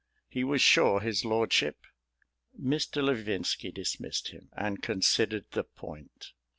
He was sure his lordship.... Mr. Levinski dismissed him, and considered the point.